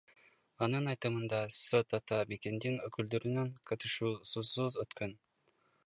Анын айтымында, сот Ата Мекендин өкүлдөрүнүн катышуусусуз өткөн.